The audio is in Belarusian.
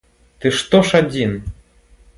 Ты што ж адзін?